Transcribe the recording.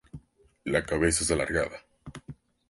La cabeza es alargada.